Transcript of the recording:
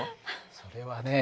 それはね